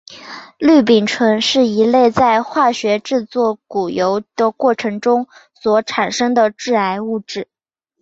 氯丙醇是一类在化学制作豉油的过程中所产生的致癌物质。